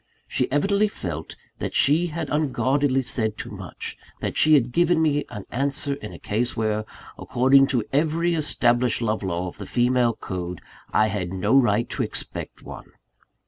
She evidently felt that she had unguardedly said too much: that she had given me an answer in a case where, according to every established love law of the female code, I had no right to expect one.